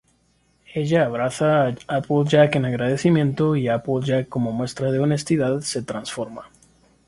Ella abraza a Applejack en agradecimiento, y Applejack, como muestra de honestidad, se transforma.